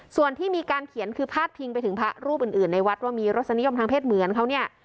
ส่วนที่มีการเขียนคือพาดพิงไปถึงพระรูปอื่นในวัดว่ามีรสนิยมทางเพศเหมือนเขาเนี่ย